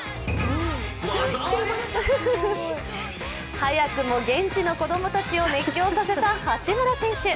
早くも現地の子供たちを熱狂させた八村選手。